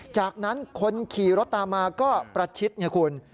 จากนั้นคนขี่รถตามมาก็ประชิดไงคุณ